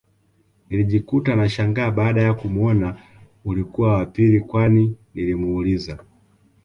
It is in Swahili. Nilijikuta nashangaa baada ya kumuona ulikuwa wapii kwanii nilimuuliza